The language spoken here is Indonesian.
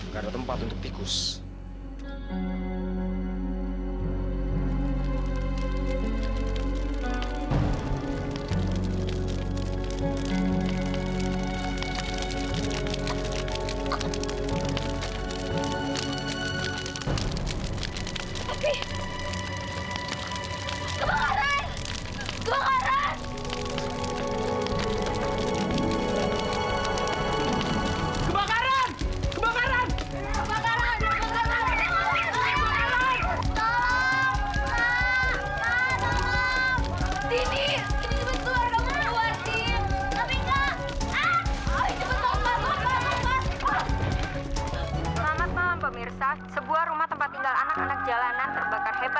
sampai jumpa di video selanjutnya